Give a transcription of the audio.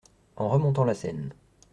En remontant la scène.